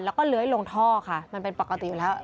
แล้วก็เลื้อยลงท่อค่ะมันเป็นปกติอยู่แล้ว